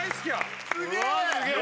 すげえ！